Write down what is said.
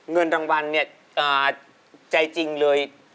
เงินรางวัลเนี่ยใจจริงเลย